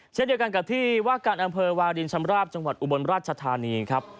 เช่นเดียวกันกับที่ว่าการอำเภอวาลินชำราบจังหวัดอุบลราชธานีครับ